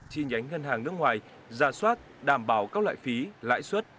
chi nhánh ngân hàng nước ngoài ra soát đảm bảo các loại phí lãi suất